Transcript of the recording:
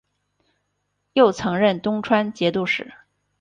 又曾任东川节度使。